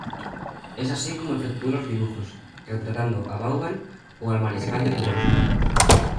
Es así como efectuó los dibujos retratando a Vauban o al mariscal de Turenne.